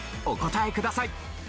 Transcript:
お答えください。